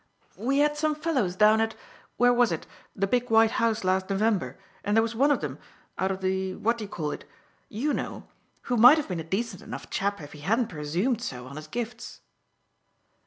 'We had some fellows down at where was it, the big white house last November? and there was one of them, out of the What do you call it? YOU know who might have been a decent enough chap if he hadn't presumed so on his gifts.